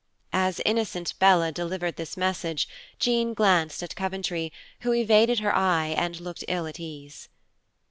As innocent Bella delivered this message, Jean glanced at Coventry, who evaded her eye and looked ill at ease.